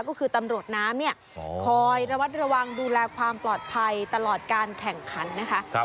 ก็คือตำรวจน้ำเนี่ยคอยระวัดระวังดูแลความปลอดภัยตลอดการแข่งขันนะคะ